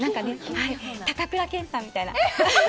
高倉健さんみたいな。